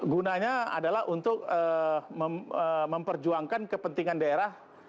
gunanya adalah untuk memperjuangkan kepentingan daerah